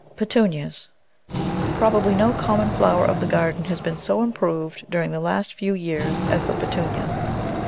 Petunias PROBABLY no common flower of the garden has been so improved during the last few years as the Petunia.